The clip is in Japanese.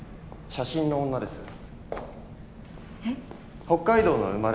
写真の女です。